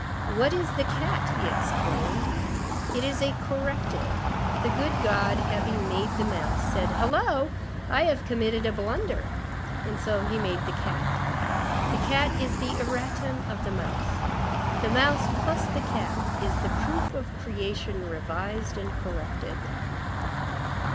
"What is the cat?" he exclaimed. "It is a corrective. The good God, having made the mouse, said: 'Hullo! I have committed a blunder.' And so he made the cat. The cat is the erratum of the mouse. The mouse, plus the cat, is the proof of creation revised and corrected."